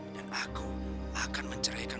dan aku akan mencerahkan